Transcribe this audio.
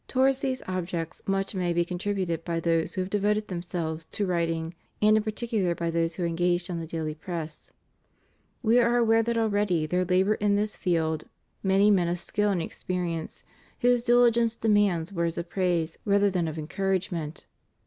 Towards these objects much may be contributed by those who have devoted themselves to writing, and in particular by those who are engaged on the daily press. We are aware that already there labor in this field many men of skill and experience, whose dihgence demands words of praise rather than of encouragement.